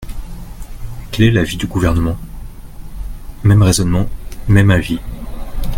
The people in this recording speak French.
Quel est l’avis du Gouvernement ? Même raisonnement, même avis.